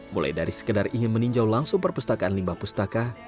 mulai dari sekedar ingin meninjau langsung perpustakaan limbah pustaka